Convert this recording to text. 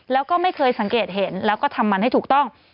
แล้วก็ไม่เคยสังเกตเห็นแล้วก็ทำมันให้ถูกต้อง